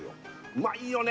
うまいよね